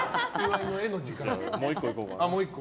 もう１個いこうかな。